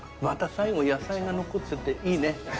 また最後野菜が残ってていいね。